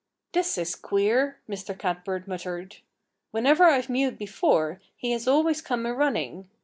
"This is queer," Mr. Catbird muttered. "Whenever I've mewed before he has always come a running.